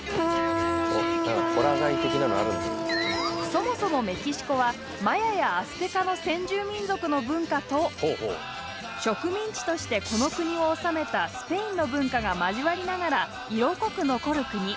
そもそもメキシコはマヤやアステカの先住民族の文化と植民地としてこの国を治めたスペインの文化が交わりながら色濃く残る国。